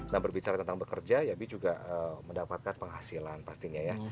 nah berbicara tentang bekerja yabi juga mendapatkan penghasilan pastinya ya